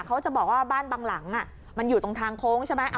เขาจะบอกว่าบ้านบางหลังมันอยู่ตรงทางโค้งใช่ไหม